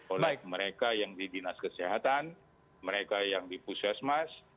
oleh mereka yang di dinas kesehatan mereka yang di puskesmas